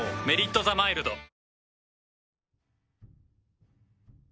「メリットザマイルド」